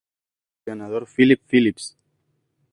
El ganador Phillip Phillips.